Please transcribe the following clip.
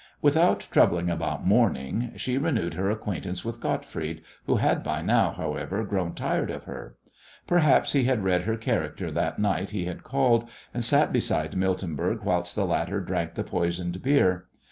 Without troubling about mourning she renewed her acquaintance with Gottfried, who had by now, however, grown tired of her. Perhaps he had read her character that night he had called and sat beside Miltenberg whilst the latter drank the poisoned beer.